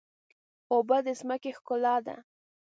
اوبه د ځمکې ښکلا ده.